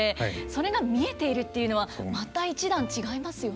それが見えているっていうのはまた一段違いますよね。